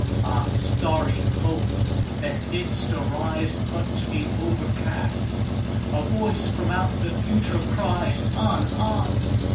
Ah starry Hope! that didst arise But to be overcast! A voice from out the future cries, "On! on!"